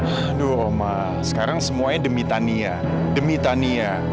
aduh om sekarang semuanya demi tania demi tania